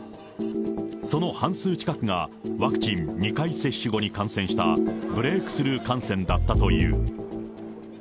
その半数近くが、ワクチン２回接種後に感染した、ブレークスルー感染だったという。